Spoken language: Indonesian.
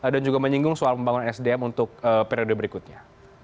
juga menyinggung soal pembangunan sdm untuk periode berikutnya